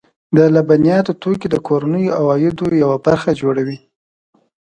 د لبنیاتو توکي د کورنیو عوایدو یوه برخه جوړوي.